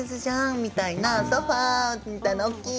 みたいなソファー大きい！